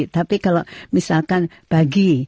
tapi kalau misalkan bagi